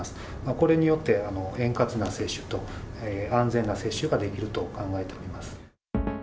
これによって円滑な接種と安全な接種ができると考えております。